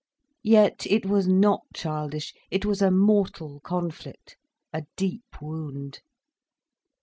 Yet it was not childish, it was a mortal conflict, a deep wound.